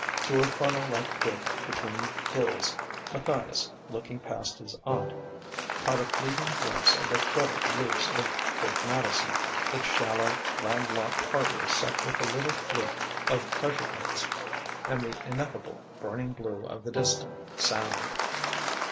Through a funnel like dip between hills, Matthias, looking past his aunt, caught a fleeting glimpse of the cluttered roofs of Port Madison, its shallow, land locked harbour set with a little fleet of pleasure boats, and the ineffable, burning blue of the distant Sound....